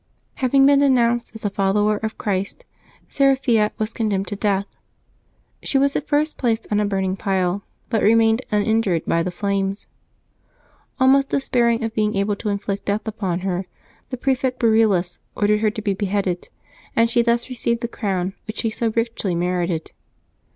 Hav ing been denounced as a follower of Christ, Seraphia was condemned to death. She was at first placed on a burning pile, but remained uninjured by the flames. Almost de spairing of being able to inflict death upon her, the prefect Berillus ordered her to be beheaded, and she thus received the crown which she so richly merited.